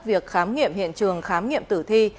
việc khám nghiệm hiện trường khám nghiệm tử thi